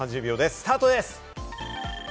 スタートです。